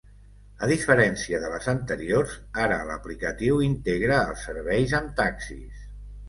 A diferència de les anteriors, ara l’aplicatiu integra els serveis amb taxis.